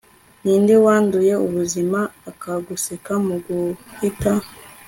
ninde wanduye ubuzima, akaguseka muguhita